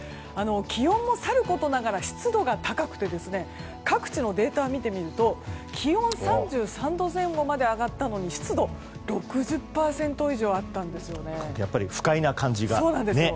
気温もさることながら湿度が高くて各地のデータを見てみると気温３３度前後まで上がったのに湿度は６０％以上あったんですよね。